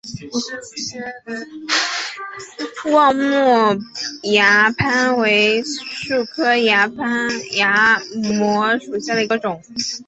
望谟崖摩为楝科崖摩属下的一个种。